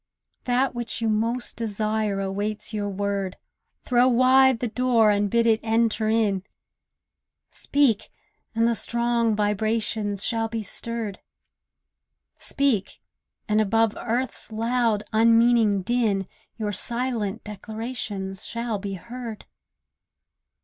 That which you most desire awaits your word; Throw wide the door and bid it enter in. Speak, and the strong vibrations shall be stirred; Speak, and above earth's loud, unmeaning din Your silent declarations shall be heard.